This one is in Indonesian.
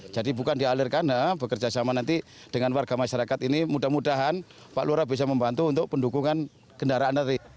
jadi bukan dialirkan bekerjasama nanti dengan warga masyarakat ini mudah mudahan pak lora bisa membantu untuk pendukungan kendaraan hari ini